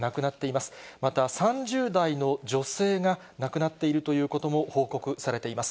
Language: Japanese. また３０代の女性が亡くなっているということも報告されています。